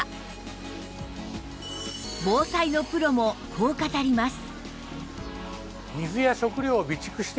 防災のプロもこう語ります